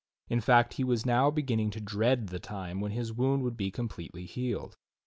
In fact he was now beginning to dread the time when his wound would be completely healed.